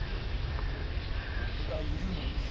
俺がいるのに。